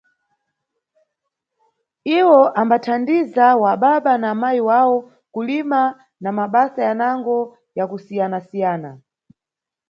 Iwo ambathandiza wa baba na mayi wawo kulima na mabasa anango ya kusiyanasiyana.